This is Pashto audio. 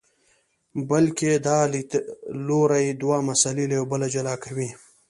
بلکې دا لیدلوری دوه مسئلې له یو بل جلا کوي.